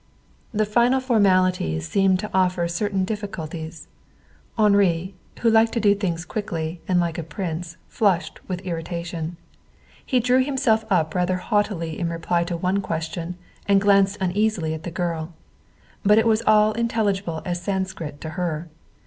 The final formalities seemed to offer certain difficulties. Henri, who liked to do things quickly and like a prince, flushed with irritation. He drew himself up rather haughtily in reply to one question, and glanced uneasily at the girl. But it was all as intelligible as Sanskrit to her.